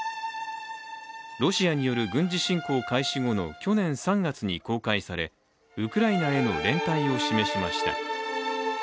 ロシアによる軍事侵攻開始後の去年３月に公開されウクライナへの連帯を示しました。